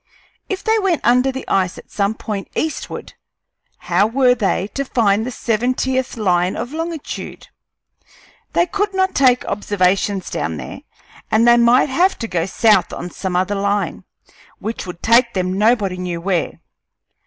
If they went under the ice at some point eastward, how were they to find the seventieth line of longitude? They could not take observations down there; and they might have to go south on some other line, which would take them nobody knew where.